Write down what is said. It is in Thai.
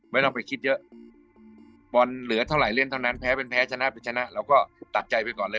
ไม่ต้องไปคิดเยอะบอลเหลือเท่าไหร่เล่นเท่านั้นแพ้เป็นแพ้ชนะเป็นชนะเราก็ตัดใจไปก่อนเลย